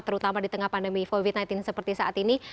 terutama di tengah pandemi covid sembilan belas seperti saat ini